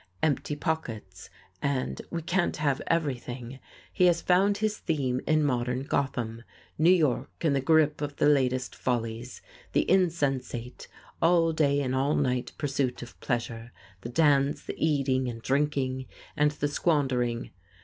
"Empty Pockets" and "We Can't Have Everything," he has found his theme in modern Gotham: New York in the grip of the latest follies, the insensate, all day and all night pursuit of pleasure, the dance, the eating and drinking, and the squandering.